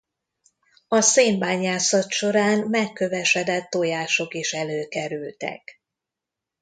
A szénbányászat során megkövesedett tojások is előkerültek.